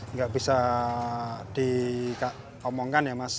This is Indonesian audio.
nggak bisa diomongkan ya mas